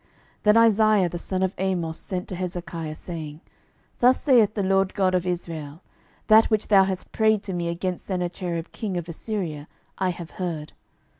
12:019:020 Then Isaiah the son of Amoz sent to Hezekiah, saying, Thus saith the LORD God of Israel, That which thou hast prayed to me against Sennacherib king of Assyria I have heard.